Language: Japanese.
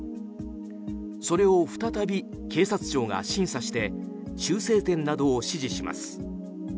それを再び警察庁が審査して修正点などを指示します。